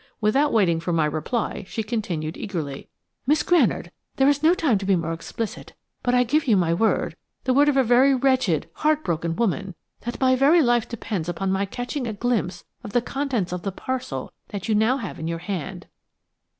Without waiting for my reply she continued eagerly: "Miss Granard, there is no time to be more explicit, but I give you my word, the word of a very wretched, heart broken woman, that my very life depends upon my catching a glimpse of the contents of the parcel that you now have in your hand."